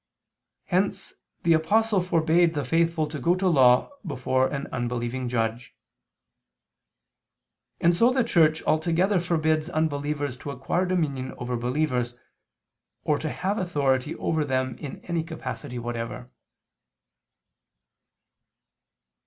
Hence the Apostle forbade the faithful to go to law before an unbelieving judge. And so the Church altogether forbids unbelievers to acquire dominion over believers, or to have authority over them in any capacity whatever.